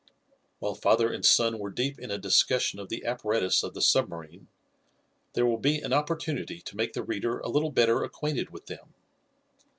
While father and son were deep in a discussion of the apparatus of the submarine, there will be an opportunity to make the reader a little better acquainted with them.